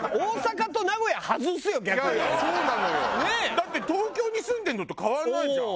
だって東京に住んでるのと変わんないじゃん。